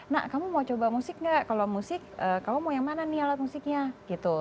nak kamu mau coba musik nggak kalau musik kamu mau yang mana nih alat musiknya gitu